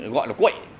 gọi là quệ